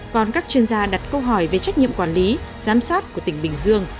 còn các chuyên gia đặt câu hỏi về trách nhiệm quản lý giám sát của tỉnh bình dương